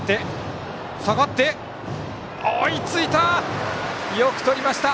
下がって、追いついた！